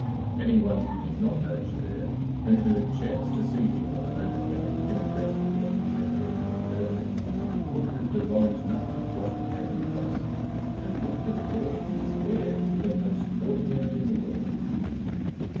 Any one who did not know Javert, and who had chanced to see him at the moment when he penetrated the antechamber of the infirmary, could have divined nothing of what had taken place, and would have thought his air the most ordinary in the world.